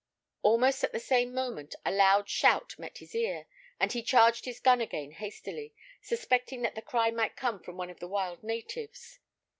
Almost at the same moment a loud shout met his ear, and he charged his gun again hastily, suspecting that the cry might come from some of the wild natives.